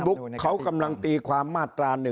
ุ๊กเขากำลังตีความมาตรา๑๑